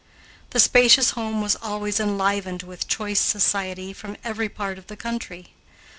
The spacious home was always enlivened with choice society from every part of the country.